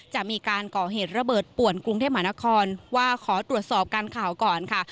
จะมีการก่อเหตุระเบิดป่วนกรุงเทพมหานครว่าขอตรวจสอบการข่าวก่อนค่ะ